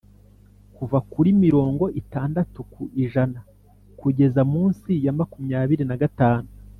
kuva kuri mirongo itandatu ku ijana kugeza munsi ya makumyabiri na gatanu